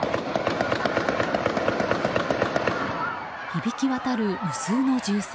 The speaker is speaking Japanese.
響き渡る無数の銃声。